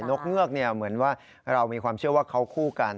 กเงือกเหมือนว่าเรามีความเชื่อว่าเขาคู่กัน